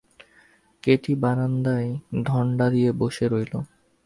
Katie বারাণ্ডায় ধন্না দিয়ে বসে রইল।